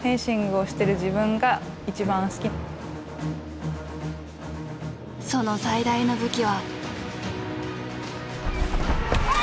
フェンシングをしてる時の自分がその最大の武器は。